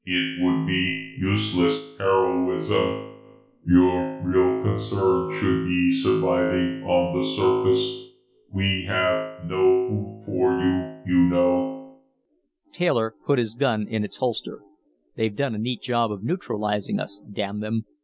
"It would be useless heroism. Your real concern should be surviving on the surface. We have no food for you, you know." Taylor put his gun in its holster. "They've done a neat job of neutralizing us, damn them.